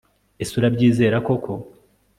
ese urabyizera koko